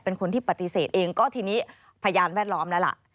เป็นคนที่ปฏิเสธเองก็ทีนี้พยานแวดล้อมแล้วล่ะ